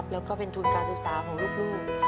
แล้วก็เป็นทุนการศึกษาของลูก